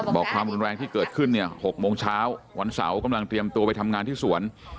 ความรุนแรงที่เกิดขึ้นเนี่ย๖โมงเช้าวันเสาร์กำลังเตรียมตัวไปทำงานที่สวน